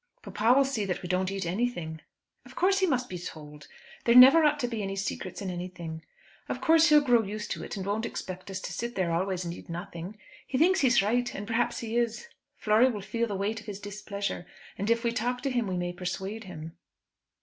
"Papa will see that we don't eat anything." "Of course he must be told. There never ought to be any secrets in anything. Of course he'll grow used to it, and won't expect us to sit there always and eat nothing. He thinks he's right, and perhaps he is. Flory will feel the weight of his displeasure; and if we talk to him we may persuade him."